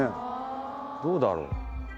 どうだろう？